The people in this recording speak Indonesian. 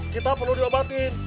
kita perlu diobatin